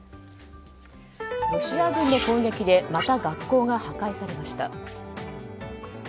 ロシア軍の攻撃でまた学校が破壊されました。